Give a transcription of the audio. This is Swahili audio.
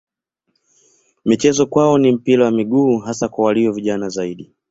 Michezo kwao ni mpira wa miguu hasa kwa walio vijana zaidi.